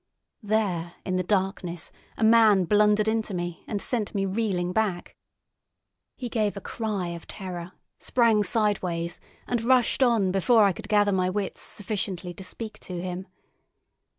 There in the darkness a man blundered into me and sent me reeling back. He gave a cry of terror, sprang sideways, and rushed on before I could gather my wits sufficiently to speak to him.